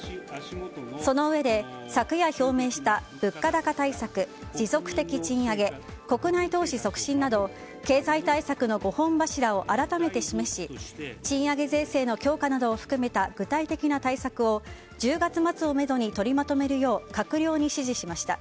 そのうえで昨夜表明した物価高対策、持続的賃上げ国内投資促進など経済対策の５本柱を改めて示し、賃上げ税制の強化などを含めた具体的な対策を１０月末をめどに取りまとめるよう